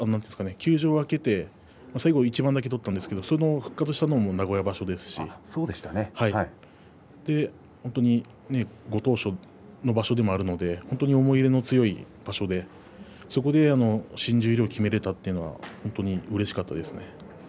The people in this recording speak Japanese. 休場明けて一番取ったんですけれども、それも名古屋場所でしたし本当にご当所の場所でもあるので思い入れの強い場所でそこで新十両を決められたというのは、本当にうれしかったですね。